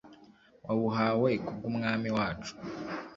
wawuhawe ku bw’Umwami wacu